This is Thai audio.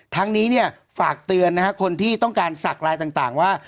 ทั้งนี้เนี่ยฝากเตือนคนที่ต้องการสักลายต่างว่า